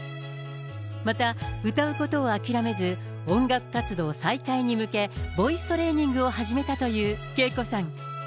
また、歌うことを諦めず、音楽活動再開に向け、ボイストレーニングを始めたというＫＥＩＫＯさん。